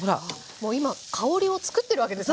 もう今香りをつくってるわけですね。